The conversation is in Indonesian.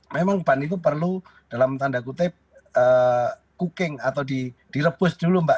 memang ban itu perlu dalam tanda kutip cooking atau direbus dulu mbak